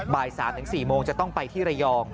บ่าย๓๔โมงจะต้องไปที่ระยอง